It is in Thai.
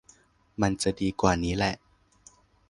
มันจะดีกว่านี้แหละ